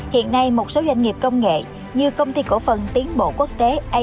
hiện nay một số doanh nghiệp công nghệ như công ty cổ phần tiến bộ quốc tế